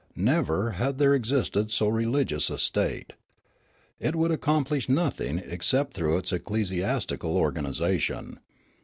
Never had there existed so religious a state. It could accomplish nothing except through its ecclesiastical organisation.